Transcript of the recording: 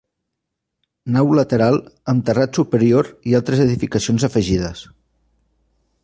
Nau lateral amb terrat superior i altres edificacions afegides.